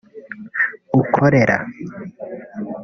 ukorera